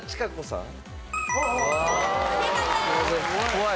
怖い。